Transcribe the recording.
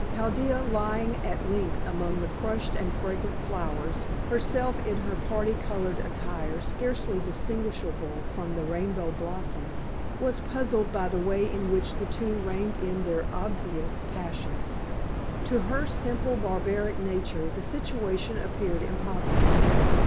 Chaldea, lying at length amongst the crushed and fragrant flowers, herself in her parti colored attire scarcely distinguishable from the rainbow blossoms, was puzzled by the way in which the two reined in their obvious passions. To her simple, barbaric nature, the situation appeared impossible.